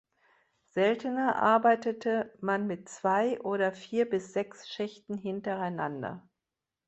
Seltener arbeitete man mit zwei oder vier bis sechs Schächten hintereinander.